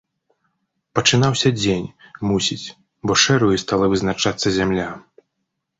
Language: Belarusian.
Пачынаўся дзень, мусіць, бо шэраю стала вызначацца зямля.